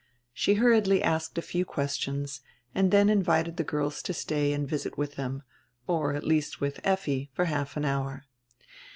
She hur riedly asked a few questions and dien invited the girls to stay and visit widi diem, or at least widi Effi, for half an hour.